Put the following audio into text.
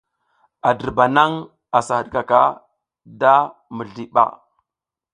A dirba nang a sa hidkaka da mizli ɓa.